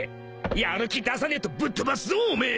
［やる気出さねえとぶっ飛ばすぞお前！］